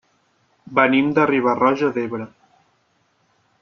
Venim de Riba-roja d'Ebre.